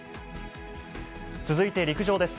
続いて、陸上です。